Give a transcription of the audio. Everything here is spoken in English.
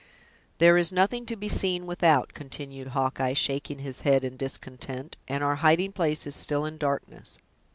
"There is nothing to be seen without," continued Hawkeye, shaking his head in discontent; "and our hiding place is still in darkness.